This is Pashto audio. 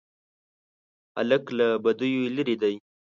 هلک له بدیو لیرې دی.